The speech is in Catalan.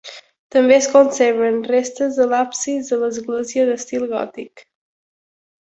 També es conserven restes de l'absis de l'església, d'estil gòtic.